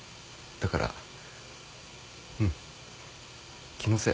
だからうん気のせい。